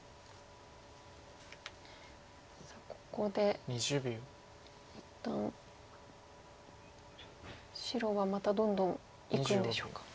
さあここで一旦白はまたどんどんいくんでしょうか。